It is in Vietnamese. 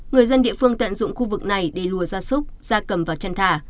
người dân địa phương tận dụng khu vực này để lùa ra súc ra cầm và chăn thả